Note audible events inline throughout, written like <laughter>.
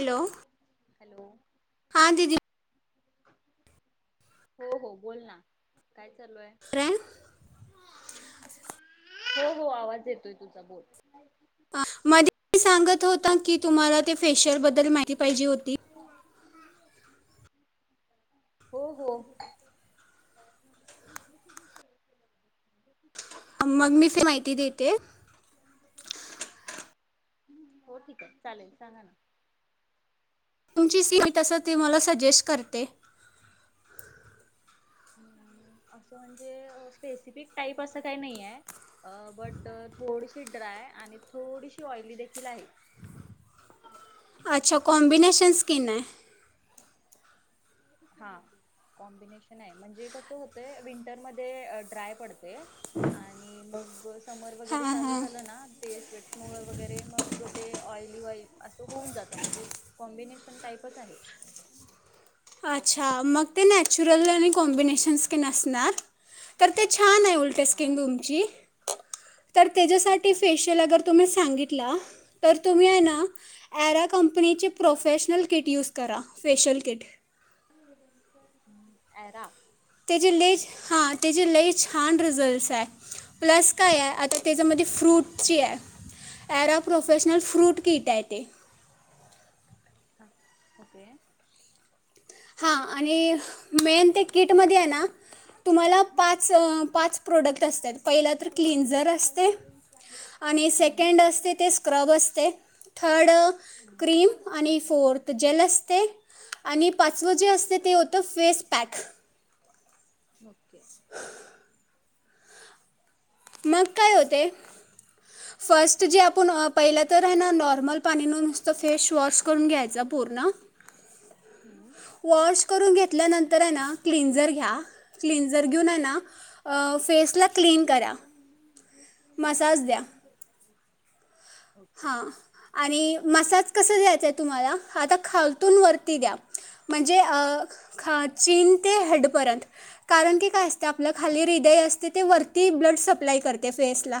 Hello hello हा दिदी हो हो बोल ना काय? चालू हाय बरं आहे. हो हो आवाज येतोय तुझा बोल हा मध्ये तूमी सांगत होता की तुम्हाला ते फेशीयलबद्ल तरी माहिती पाहिजे होती. हो हो मग मी ते माहिती देते. हो ठीक आहे चालेल सांगा ना. तुमची सिन असते तस ती मला सजेस्ट करते. असं म्हणजे स्पेसिफिक टाईप अस काही नाइये बट थोडीशी ड्राय आणि थोडीशी ऑइली देखील आहे. अच्छा कॉम्बिनेशन स्कीन हाय हा कॉम्बिनेशन हाय म्हणजे कस होतय विंटर मध्ये ड्राय पडते आणि मग समर वगेरे हां चालू झाल हां ना ते स्वेट मूळ वगेरे मग ते ऑइली ऑली अस होऊन जात म्हणजे कॉम्बिनेशन टाईपच आहे. च्छा मग ते नॅचरल आणि कॉम्बिनेशन स्किन असणार तर ते छान आहे उल्ट हा स्किन तुमची तर त्याच्यासाठी अच्छा फेशयल अगर तुम्ही सांगितला तर तुम्ही आहे ना ॲरा कंपनीचे प्रोफेशनल किट यूज करा फेशियल किट अँरा त्याची लईच हा त्याची लई छान रिझल्टस हाय प्लस काय हाय आता त्याच्यामध्ये फ्रूटची हाय अँराप्रोफेशनल फ्रूट कीट हाय ते ओके हा आणि मेन ते किटमध्ये हाय ना तुम्हाला पाच अ पाच प्रोडक्ट असत्यात. पहिला तर क्लीनझर असतय आणि सेकंड असतय ते स्क्रब असतय थर्ड क्रीम आणि नी फोर्थ जेल असतय आ पाचवं जे असतय ते होतं फेस पॅक ओके मग काय होतय? फर्स्ट जे आपण अ पहिलं तर हय ना नॉर्मल पाणीन नु नुसतं फेश वॉश करून घ्यायचा पूर्ण वॉश करून घेतल्यानंतर हय ना क्लिनजर घ्या क्लिनजर घेऊन हय ना फेसला क्लीन करा. ओके मसाज द्या. ओके हां आणि मसाज कस दयायचाय तुम्हाला आता खालतून वरती दया म्हणजे अ खाचीन ते हेडपर्यंत कारण की काय असत आपलं खाली हृदय असत ते वरती ब्लड सप्लाय करत फेसला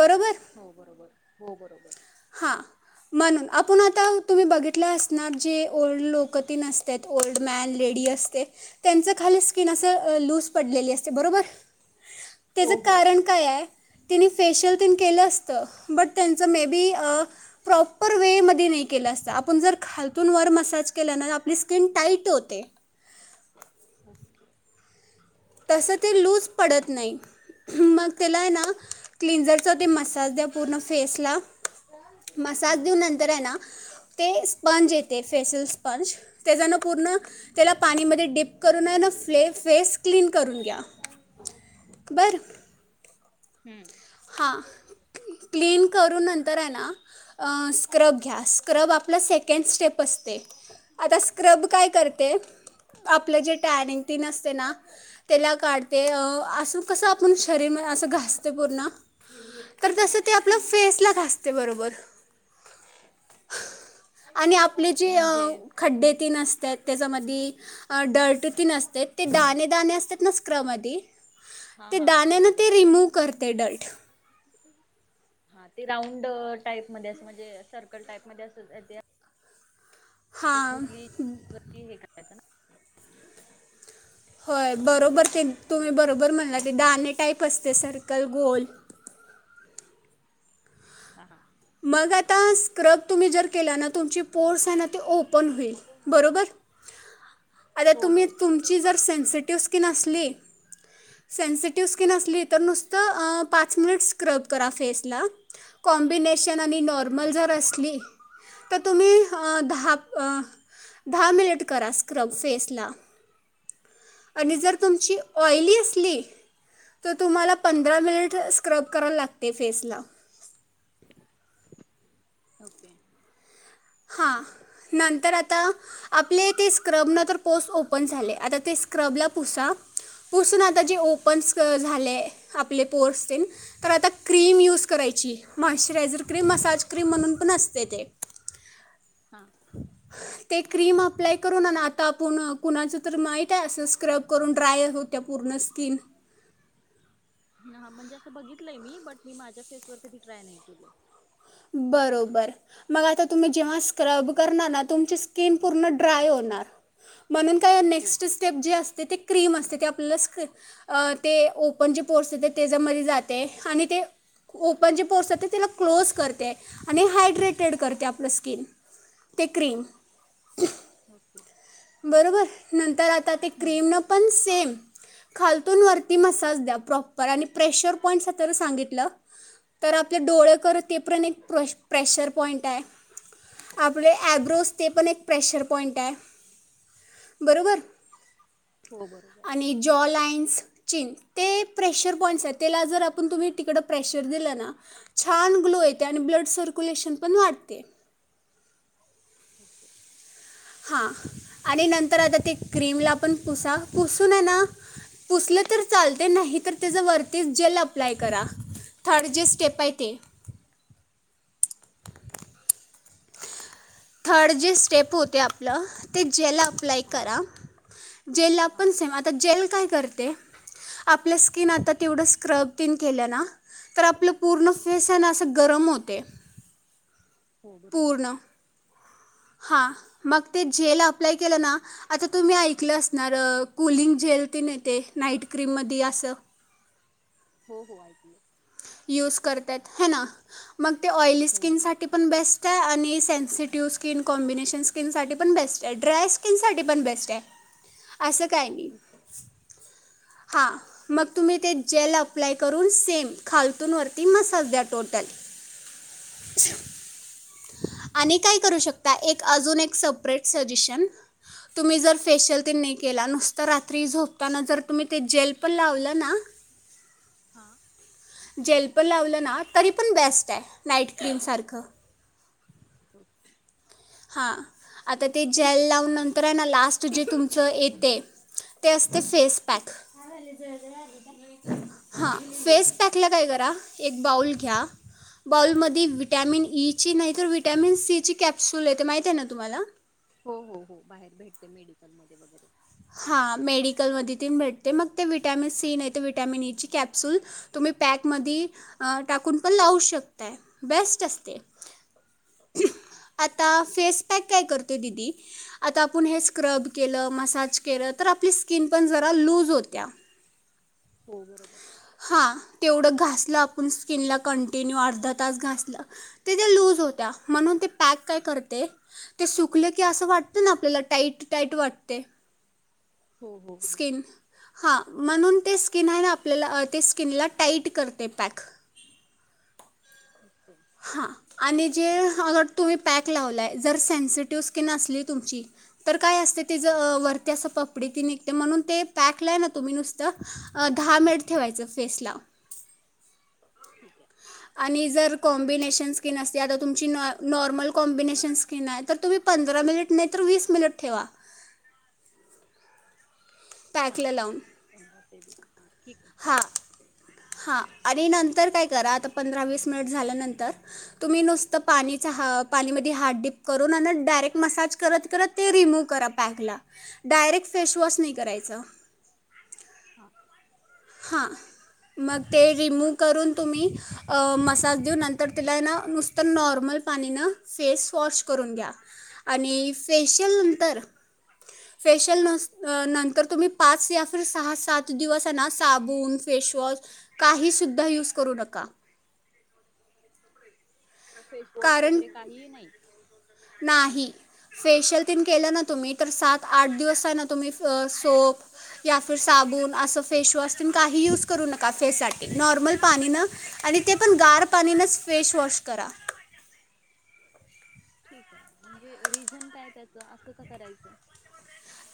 बरोबर हो बरोबर हो बरोबर हा म्हण अप पुन्हा त्याहून तुम्ही बघितल असणार जे ओल्ड लोक कठीन असत्यात ओल्ड मॅन लेडी असते त्यांच खाली स्किन अस अ लूज पडलेली असते बरोबर त्याच हो हो हो कारण काय आहे? तिने फेशियल तेन केलं असतं बट ते मे बी अ प्रॉप पर मेमध्ये नाही केलं असत आपण जर खालतून वर मसाज केल्यान आपली स्किन टाईट होते मूप्तिहायं तसं ते लूज पडत नाही मग त्याला आहे ना क्लिंजरचा ते मसाज द्या पूर्ण फेसला मसाज देऊन हं, नंतर आहे ना ते स्पंज येते फेसेसस्पंज फेशलस्पंज तेजान पूर्ण त्याला पाणीमध्ये डिप करून आहे ना फ्ले- फेस क्लीन करून घ्या ओके. हम्म हा क्लीन करून नंतर आहे ना स्क्रब घ्या स्क्रब आपला सेकेंड स्टेप असते आता स्क्रब काय करते आपलं जे टॅनिंग तेन असते ना त्याला काढते अ असं कसं आपण शरीर असं घासतो पूर्ण तर तसं ते आपलं फेसला घासते बरोबर आणि आपले जे म्हणजे खड्डे तेन असत्यात त्याच्यामध्ये डर्ट तेन असत्यात ते दाणे दाणे असतात ना स्क्रब मधी हा ते हा हा दाणे ना बरोबर ते बरोबर रिमूव्ह करते ते डर्ट हा ते राऊंड टाईप मध्ये असं म्हणजे सर्कल टाईप मध्ये अस त्याचे हा हे करायचं ना होय बरोबर ते तुम्ही बरोबर म्हणला ते दाणे टाईप असते सर्कल गोल हा हा मग आता स्क्रब तुम्ही जर केला ना तुमची पोर्स आहे ना ते ओपन पण होईल बरोबर आता हो तुम्ही हो तुमची हो जर सेन्सिटिव स्किन असली सेन्सिटिव्ह स्किन असली तर नुसत पाच मिनिटं स्क्रब करा फेसला कॉम्बिने नेशन हा आणि नॉर्मल जर असली तर तुम्ही ह दहा अ दहा मिनिट करा स्क्रब फेसला आणि हा जर तुमची ऑइली असली तर तुम्हाला पंधरा मिनिट स्क्रब करायला लागते फेसला ओके. हां नंतर आता आपले ते स्क्रबनं तर पोर्स ओपन झाले आता ते स्क्रबला पुसा पुसून आता जे ओपन स् झाले आपले पोर्स तेन तर आता क्रीम यूज करायची मॉइश्चरायझर क्रीम मसाज क्रीम म्हणून पण असते ते हा. ते क्रीम अप्लाय करून हाय ना, आता आपूण न कुणाचं तर माहीत हाय, असं स्क्रब करून ड्रायर होतिया पूर्ण स्किन न हा म्हणजे असं बघितलंय मी, बट मी माझ्या फेसवर कधी ट्राय नाही केल. बरोबर, मग आता तुम्ही जेव्हा स्क्रब करणार ना, तुमची स्किन पूर्ण ड्राय होणार. म्हणून काय? हो नेक्स्ट स्टेप जे असते ती क्रीम असते ते आपल्याला स्क ते ओपन जे पोर्स येते त्याच्यामध्ये जाते आणि ते ओपन जे पोर्स ये त्याला क्लोज कर ते आणि हायड्रेटेड करते आपलं स्किन ते क्रीम <inaudible> बरोबर नंतर आ आता ते हं. क्रीमन पण सेम खालतून वरती मसाज द्या प्रॉपर आणि प्रेशर पॉईंट अस तर सांगितलं तर आपले डोळे करत ते पण एक प्रे प्रेशर पॉईंट आहे. आपले आयब्रोज ते पण एक प्रेशर पॉईंट आहे. बरोबर हो बरोबर. आणि जॉ लाइन्स चीन ते प्रेशर पॉईंट्स आहेत तेला जर आपण तुम्ही तिकडं प्रेशर दिलं ना छान ग्लो येते आणि ब्लड सर्क्युलेशन पण वाढते. <inaudible> हां आणि नंतर आता ते क्रीमला पण पुसा पुसूून येना पुसलं तर चालते नाही तर त्याचं वरतीच जेल अप्लाय करा थर्ड जे स्टेप आहे ते थर्ड जे स्टेप होते आपलं ते ज्याला अप्लाय हां, करा जेलला हां. आता जेल काय करते आपल्या स्कि स्किन आता तेवढं स्क्रब तेन केलं ना तर आपलं पूर्ण फेस आहे ना असं गरम होते हो बरोबर पूर्ण हां मग ते जेल अप्लाय केलं ना आता तुम्ही ऐकलं असणार कुलिंग जेल तेन येते नाईट क्रीममध्ये असं हो हो ऐकलय युज करत्यात हाय ना मग ते ऑइली हो. स्किनसाठी पण बेस्ट स् आणि सेन्सिटिव्ह स्किन कॉम्बिनेशन स्किनसाठी पण बेस्ट आहे ड्राय स्किनसाठी पण बेस्ट आहे. असं काही नाई ओके. हा मग तुम्ही ते जेल अप्लाय करून सेम खालतून वरती मसाज द्या टोटल आणि काय करू शकता अजून एक सपरेट सजेशन तुम्ही जर फेशियल तेने केला नुसता रात्री झोपताना जर तुम्ही ते जेल पण लावलं ना हा जेल पण लावलं ना तरी पण बेस्ट आहे नाईट क्रीमसारखं <inaudible> हां आता ते जेल लावून नंतर आहे ना लास्ट जे तुमचं येते ते असते फेस पॅक हां फेस पॅकला काय करा एक बाऊल घ्या. बाउलमध्ये हं. विटॅमिन ई ची नाही तर विट विटामिन सी ची कॅप्सू ल येते माहितिये ना तुम्हाला? हो हो हो बाहेर भेटते मेडिकलमध्ये वगैरे हां मेडिकलमध्ये तीन भेटते मग ते विटॅमिन सी नाही तर विटॅमिन ईची कॅप्सूल तुम्ही पॅकमध्ये टाकून पण लावू शकताय बेस्ट असते. ओके. आता फेस पॅक काय करतोय दीदी आता आपण हे स्क्रब केलं मसाज केल तर आपली स्किन पण जरा लूज होत्या हो बरोबर. हा तेवढं घास ल आपण स्किनला कंटिन्यू अर्धा तास घासल तर ते लूज होत्या म्हणून ते पॅक काय करते ते सुकले की अस वाटते ना आपल्याला टाईट टाईट वाटते. हो, हो, हो. स्किन हा. म्हणून ते स्किन हाय ना आपल्याला, ते स्किनला टाईट करतय पॅक. ओके. हा आणि जे अ समजा, जर तुम्ही पॅक लावलाय, जर सेन्सिटिव्ह स्किन असली तुमची तर काय असतय तिज हां. वर? पपडी ते निघते म्हणून ते पॅकला हाय ना, तुम्ही नुसतं दहा मिनिट ठेवायचं फेसला ठीक आहे. आणि जर कॉम्बिनेशन स्किन असते. आता तुमची नॉर्म नॉर्मल कॉम्बिनेशन स्किन हाय, तर तुम्ही पंधरा मिनिट नाही तर, वीस मिनिट ठेवा. हां. पॅकला लावून ते हां ठीक आहे हा. चालेल. हा आणि नंतर तर काय करा आत पंधरा - वीस मिनिट झाल्यानंतर, तुम्ही नुसतं पाणीच हा पाण्यामध्ये हात डीप करून आन डायरेक्ट मसाज करत, करत ते रिमूव करा पॅकला. डायरेक्ट फेशवॉश नाही कराय च <inaudible> हा. हा. मग ते रिमूव करून तुम्ही मसाज देऊन, नंतर तेला हाय ना, नुसतं नॉर्मल पाणी ना फेस वॉश करून घ्या आणि फेशिअल नंतर, फेशिअल नस नंतर तुम्ही, पाच या फिर सहा सात दिवस आहे ना. साबून, फेशवॉश काही सुद्धा युज करू नका. मग फेसवॉश कारण वगैरे काहीही नाही. नाही फेशियल तेन केलं ना तुम्ही तर सात आठ दिवस आहे ना तुम्ही सोप या फिर साबुण असं फेशवॉश त काही यूज करू नका फेससाठी नॉर्मल पाणीनं आणि ते पण गार पाणीनच फेशवॉश करा. ठीक आहे म्हणजे रिझन काय त्याच असं का करायचं?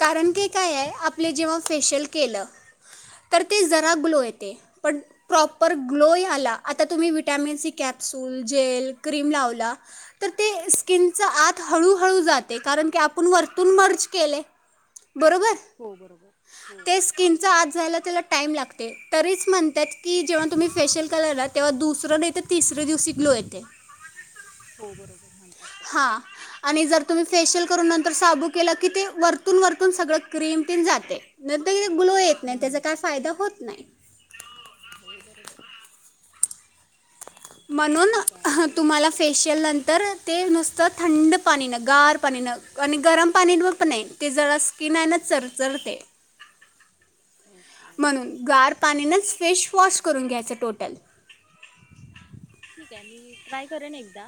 कारण कि काय आहे आपले जेव्हा फेशियल केलं. तर ते जरा हां. ग्लो येते पण प्रॉपर ग्लो आला आता तुम्ही vitamin C capsule gel cream लावला तर ते स्किनचा आत हळूहळू जाते कारण की आपण वरतून मर्ज केले. बरोबर हो बरोबर. हो. ते स्किनच्या आत जायला त्याला टाईम लागते तरीच म्हणतात की जेव्हा तुम्ही फेशियल केला ना तेव्हा दुसरं नाही तर तिसरऱ्या दिवशी ग्लो येते. हो बरोबर म्हणतात सगळे. हा आणि जर तुम्ही फेशियल नंतर शाबू केला की ते वर वरतुन सगळं क्रीम जाते नाही तर हे ग्लो येत नाही हं, त्याचा काय हं. फायदा होत नाही. बरोबर म्हणून ठीक आहे. मी तुम्हाला फेशियल नंतर ते नुसतं थंड पाणीन गार पाणीनं आणि गरम पाणी पण नाही ते जरा स्किन आहे ना चरचरते. ओके. म्हणून गार पाणीनंच फेशवॉश करून घ्यायचं टोटल. ठीक आहे मी ट्राय करेन एकदा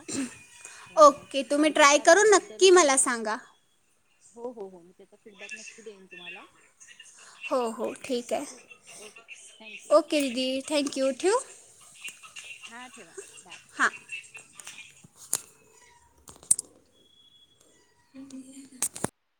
ओके तुम्ही ट्राय सांगितला करून त्याबद्दल नक्की मला धन्यवाद सांगा हो हो. हो हो मी त्याचा फीडबॅक नक्की देईन तुम्हाला. हो, हो ठीक आहे, ओके दिदी थँक्यू ठेऊ. हा ठेव. हा. <unintelligible>